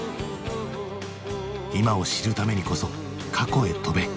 今を知るためにこそ過去へ飛べ。